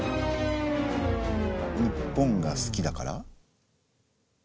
日本が好きだから？